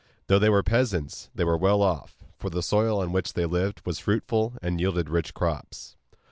Though they were peasants they were well off, for the soil on which they lived was fruitful, and yielded rich crops.